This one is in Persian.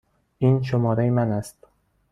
این شماره من است.